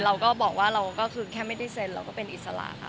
เราก็บอกว่าเราแค่ไม่ได้เซ็นต์เดี๋ยวก็เป็นอิสลาค่ะ